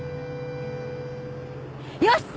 よし！